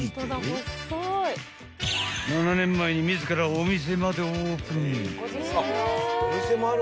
［７年前に自らお店までオープン］